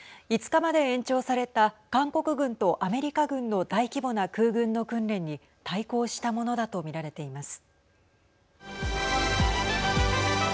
５日まで延長された韓国軍とアメリカ軍の大規模な空軍の訓練に対抗したものだと見られています。